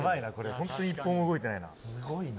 本当に１歩も動いてないな。